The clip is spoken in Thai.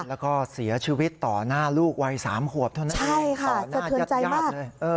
แล้วก็เสียชีวิตต่อหน้าลูกวัย๓ขวบเท่านั้นเองต่อหน้าญาติญาติเลย